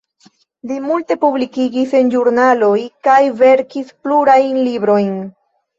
Li multe publikigis en ĵurnaloj, kaj verkis plurajn librojn.